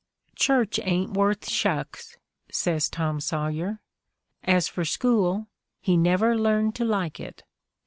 "Church ain't worth shucks," says Tom Sawyer. As for school, "he never learned to like it.